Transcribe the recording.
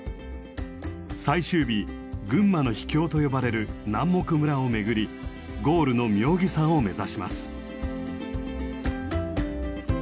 最終日群馬の秘境と呼ばれる南牧村を巡りゴールの妙義山を目指します。